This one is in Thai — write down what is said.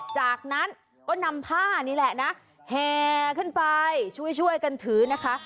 จากนั้นก็นำผ้านี่แหละนะแห่ขึ้นไปช่วยกันถือนะคะ